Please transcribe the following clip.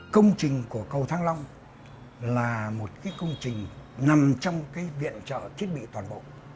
công trình của cầu thăng long là một công trình nằm trong viện trợ thiết bị toàn bộ